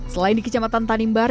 selain di kecamatan tanimbar